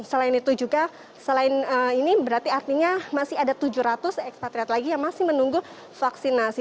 selain itu juga selain ini berarti artinya masih ada tujuh ratus ekspatriat lagi yang masih menunggu vaksinasi